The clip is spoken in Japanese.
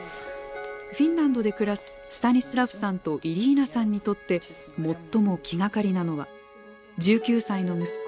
フィンランドで暮らすスタニスラフさんとイリーナさんにとって最も気がかりなのは１９歳の息子